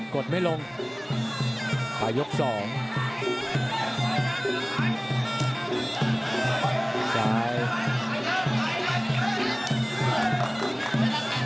กดไม่ลงต่ายกลุ่มสอง